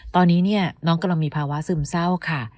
ตอนนี้น้องกำลังมีภาวะซึมเศร้าค่ะ